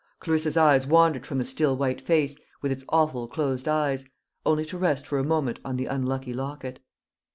Clarissa's eyes wandered from the still white face, with its awful closed eyes, only to rest for a moment on the unlucky locket.